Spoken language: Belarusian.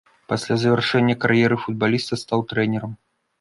Пасля завяршэння кар'еры футбаліста стаў трэнерам.